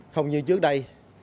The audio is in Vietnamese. không như trước đây